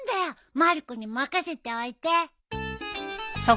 まる子に任せておいて。